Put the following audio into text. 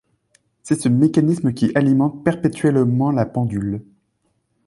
C’est ce mécanisme qui alimente perpétuellement la pendule.